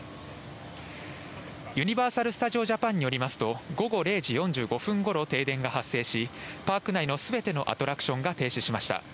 ユニバーサル・スタジオ・ジャパンによりますと、午後０時４５分ごろ停電が発生し、パーク内のすべてのアトラクションが停止しました。